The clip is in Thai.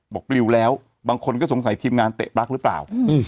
ปลิวแล้วบางคนก็สงสัยทีมงานเตะปลั๊กหรือเปล่า